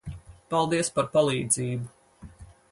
Paldies par palīdzību.